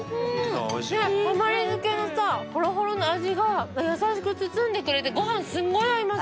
たまり漬のさホロホロの味が優しく包んでくれてご飯すんごい合います。